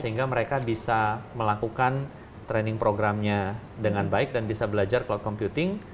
sehingga mereka bisa melakukan training programnya dengan baik dan bisa belajar cloud computing